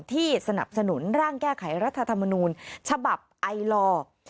ที่สนับสนุนร่างแก้ไขรัฐธรรมนูญฉบับไอลอร์